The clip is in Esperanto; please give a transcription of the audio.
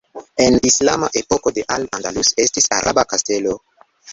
En islama epoko de Al Andalus estis araba kastelo.